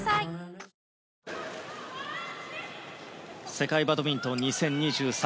世界バドミントン２０２３